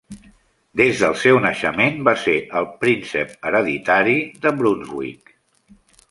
Des del seu naixement, va ser el "Príncep hereditari de Brunswick".